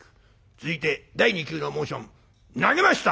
続いて第２球のモーション投げました！